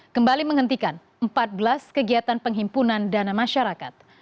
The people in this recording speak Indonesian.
kembali menghentikan empat belas kegiatan penghimpunan dana masyarakat